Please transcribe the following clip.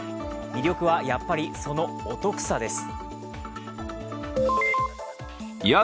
魅力はやっぱり、そのお得さです。